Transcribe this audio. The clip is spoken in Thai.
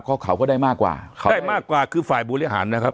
เขาก็ได้มากกว่าเขาได้มากกว่าคือฝ่ายบริหารนะครับ